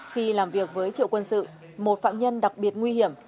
khi làm việc với triệu quân sự một phạm nhân đặc biệt nguy hiểm